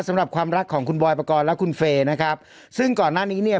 สำหรับความรักของคุณบอยปกรณ์และคุณเฟย์นะครับซึ่งก่อนหน้านี้เนี่ย